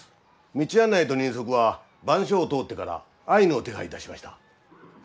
道案内と人足は番所を通ってからアイヌを手配いたしました。